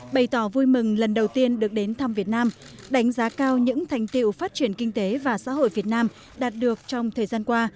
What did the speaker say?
bày tỏ vui mừng lần đầu tiên được đến thăm việt nam đánh giá cao những thành tiệu phát triển kinh tế và xã hội việt nam đạt được trong thời gian qua